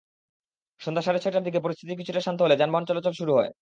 সন্ধ্যা সাড়ে ছয়টার দিকে পরিস্থিতি কিছুটা শান্ত হলে যানবাহন চলাচল শুরু হয়।